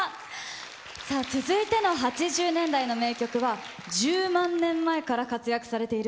さあ、続いての８０年代の名曲は、１０万年前から活躍されている